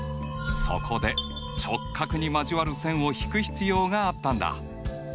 そこで直角に交わる線を引く必要があったんだ。